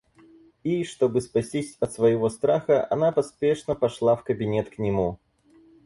И, чтобы спастись от своего страха, она поспешно пошла в кабинет к нему.